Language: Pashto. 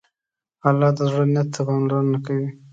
الله د زړه نیت ته پاملرنه کوي.